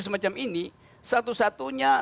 semacam ini satu satunya